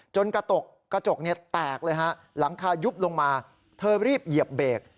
กระจกเนี่ยแตกเลยฮะหลังคายุบลงมาเธอรีบเหยียบเบรก